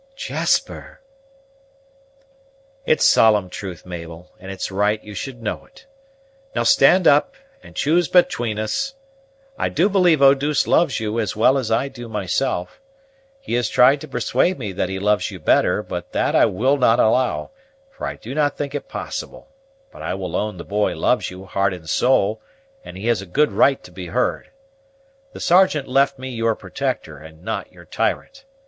"Jasper!" "It's solemn truth, Mabel, and it's right you should know it. Now stand up, and choose 'atween us. I do believe Eau douce loves you as well as I do myself; he has tried to persuade me that he loves you better, but that I will not allow, for I do not think it possible; but I will own the boy loves you, heart and soul, and he has a good right to be heard. The Sergeant left me your protector, and not your tyrant.